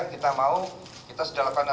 kita mau kita sedalemkan